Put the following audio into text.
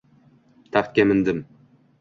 Taxtga mindim